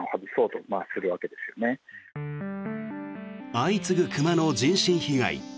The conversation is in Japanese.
相次ぐ熊の人身被害。